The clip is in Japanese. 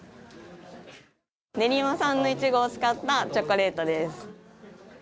練馬産のイチゴを使ったチョコレートです。